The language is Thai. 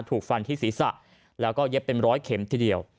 ถูกฟันที่ศีรษะแล้วก็เย็บเป็นร้อยเข็มทีเดียว